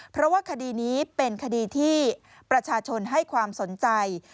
เพราะว่าคดีนี้เป็นคดีที่ประชาชนให้ความสนใจ